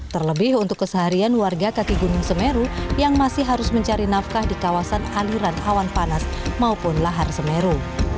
terlebih untuk keseharian warga kaki gunung semeru yang masih harus mencari nafkah di kawasan aliran awan panas maupun lahar semeru